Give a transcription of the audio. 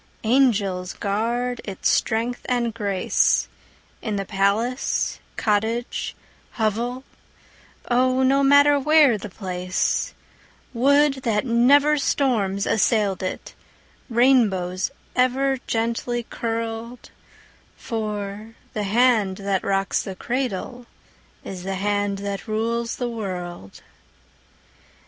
Angels guard its strength and grace, In the palace, cottage, hovel, Oh, no matter where the place; Would that never storms assailed it, Rainbows ever gently curled; For the hand that rocks the cradle Is the hand that rules the world.